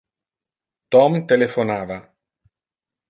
Tom telephonava.